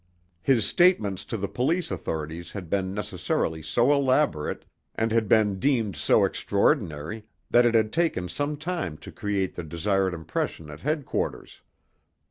His statements to the police authorities had been necessarily so elaborate, and had been deemed so extraordinary, that it had taken some time to create the desired impression at headquarters.